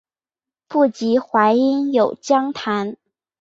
不及淮阴有将坛。